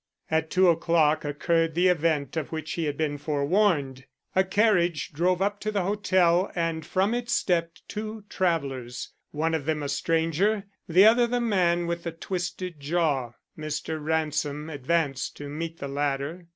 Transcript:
At two o'clock occurred the event of which he had been forewarned. A carriage drove up to the hotel and from it stepped two travelers; one of them a stranger, the other the man with the twisted jaw. Mr. Ransom advanced to meet the latter.